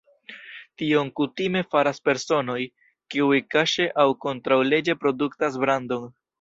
Tion kutime faras personoj, kiuj kaŝe aŭ kontraŭleĝe produktas brandon.